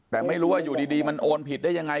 แต่ไม่รู้ว่าอยู่ดีมันโอนผิดได้ยังไง